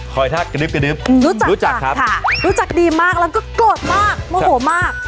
ท่ากระดิบกระดึ๊บรู้จักครับรู้จักดีมากแล้วก็โกรธมากโมโหมาก